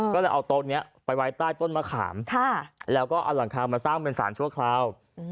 ก็เลยเอาโต๊ะนี้ไปไว้ใต้ต้นมะขามแล้วก็เอาหลังคามาสร้างเป็นสารชั่วคราว